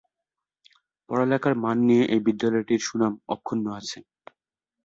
পড়ালেখার মান নিয়ে এই বিদ্যালয়টির সুনাম অক্ষুণ্ণ আছে।